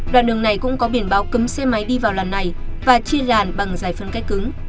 đoạn đường này cũng có biển báo cấm xe máy đi vào làn này và chia làn bằng giải phân cách cứng